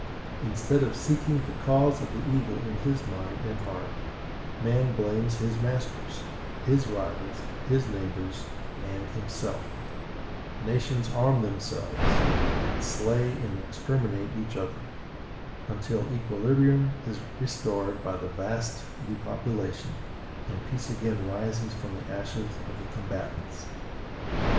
Instead of seeking the cause of the evil in his mind and heart, man blames his masters, his rivals, his neighbors, and himself; nations arm themselves, and slay and exterminate each other, until equilibrium is restored by the vast depopulation, and peace again arises from the ashes of the combatants.